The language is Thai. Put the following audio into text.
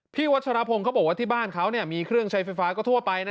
วัชรพงศ์เขาบอกว่าที่บ้านเขามีเครื่องใช้ไฟฟ้าก็ทั่วไปนะ